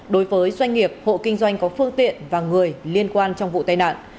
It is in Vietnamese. đối với doanh nghiệp hộ kinh doanh có phương tiện và người liên quan trong vụ tai nạn